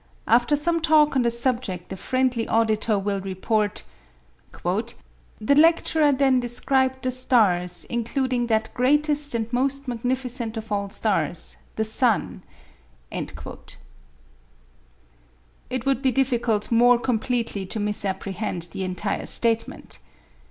After some talk on the subject a friendly auditor will report, "the lecturer then described the stars, including that greatest and most magnificent of all stars, the sun." It would be difficult more completely to misapprehend the entire statement.